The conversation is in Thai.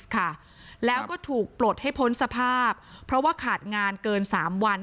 ค่ะแล้วก็ถูกปลดให้พ้นสภาพเพราะว่าขาดงานเกิน๓วัน